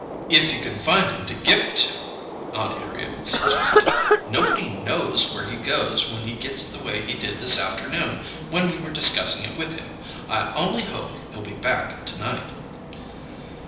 "If you can find him to give it to!" Aunt Harriet suggested. "Nobody knows where he goes when he gets the way he did this afternoon when we were discussing it with him! I only hope he'll be back to night!"